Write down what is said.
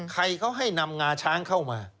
ใครเขาให้นำงาช้างเข้ามา